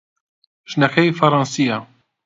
ژنەکەی فەڕەنسییە.